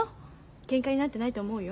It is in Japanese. けんかになってないと思うよ。